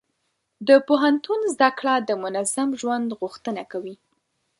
د پوهنتون زده کړه د منظم ژوند غوښتنه کوي.